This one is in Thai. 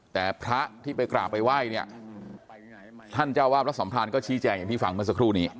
แต่พระที่ไปกราบไปไหว้เนี่ยท่านเจ้าวาดพระสัมพรานก็ชี้แจงอย่างที่ฟังเมื่อสักครู่นี้